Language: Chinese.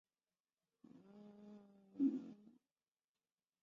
该化石随后为纪念纽曼而被命名为纽氏呼气虫。